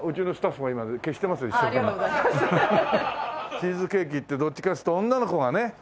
チーズケーキってどっちかっつうと女の子がね非常に好む。